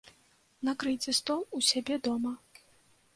Накрыйце стол у сябе дома.